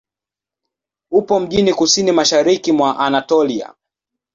Upo mjini kusini-mashariki mwa Anatolia.